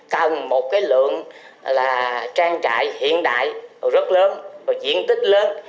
cần một cái lượng là trang trại hiện đại rất lớn và diện tích lớn